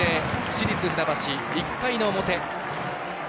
市立船橋、１回の表。